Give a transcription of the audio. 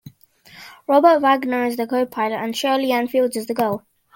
Robert Wagner is the co-pilot and Shirley Anne Fields is the girl.